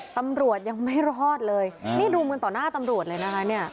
ตำรวจยังไม่รอดเลยนี่รุมกันต่อหน้าตำรวจเลยนะคะเนี่ย